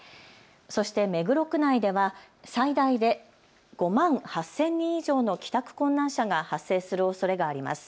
そして目黒区内では最大で５万８０００人以上の帰宅困難者が発生するおそれがあります。